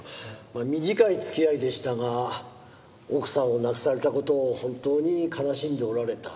短い付き合いでしたが奥さんを亡くされた事を本当に悲しんでおられた。